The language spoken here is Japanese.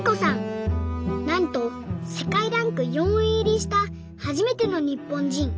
なんと世界ランク４位いりしたはじめてのにっぽんじん。